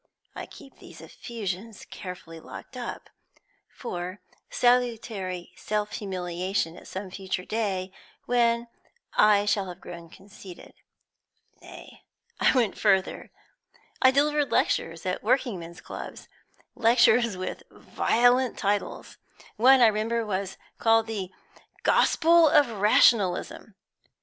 I keep these effusions carefully locked up, for salutary self humiliation at some future day, when I shall have grown conceited. Nay, I went further. I delivered lectures at working men's clubs, lectures with violent titles. One, I remember, was called 'The Gospel of Rationalism.'